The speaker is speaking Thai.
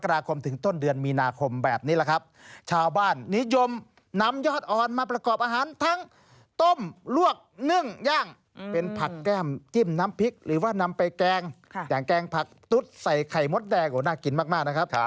ผักตุ๊ดใส่ไข่มดแดงโหน่ากินมากนะครับ